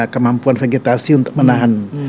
kemampuan vegetasi untuk menahan